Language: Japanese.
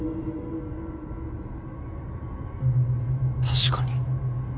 確かに。